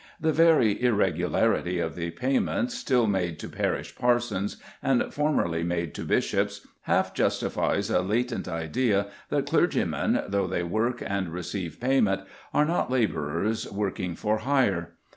The very irregularity of the payments still made to parish parsons, and formerly made to bishops, half justifies a latent idea that clergymen, though they work and receive payment, are not labourers working for hire.